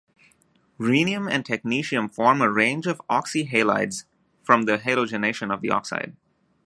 Rhenium and technetium form a range of oxyhalides from the halogenation of the oxide.